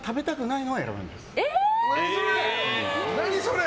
何それ！